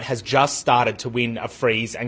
dengan peningkatan dan peningkatan uang